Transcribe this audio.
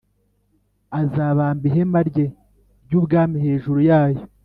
azabamba ihema rye ryubwami hejuru yayo